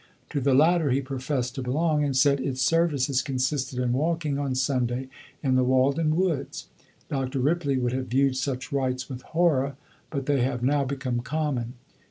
To the latter he professed to belong, and said its services consisted in walking on Sunday in the Walden woods. Dr. Ripley would have viewed such rites with horror, but they have now become common.